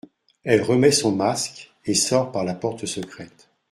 Elle remet son masque, et sort par la porte secrète .